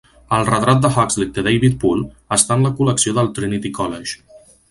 El retrat d'Huxley de David Poole està en la col·lecció del Trinity College.